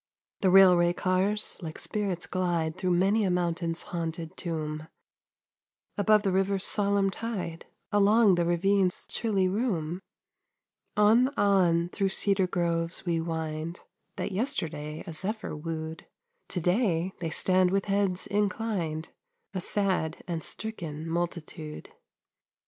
The railway cars like spirits glide Through many a mountain's haunted tomb, Above the river's solemn tide, Along the ravine's chilly room; On, on, through cedar groves we wind, That yesterday a zephyr wooed; To day they stand with heads inclined, A sad and stricken multitude.